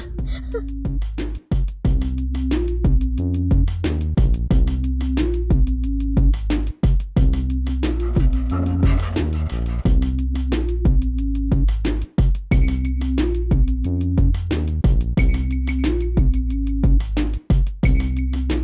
ให้หนึ่งทำไม๕๐๐เลยครับ